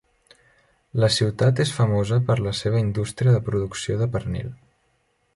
La ciutat és famosa per la seva indústria de producció de pernil.